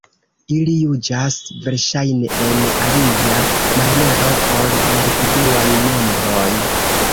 Ili juĝas verŝajne en alia maniero ol individuaj membroj.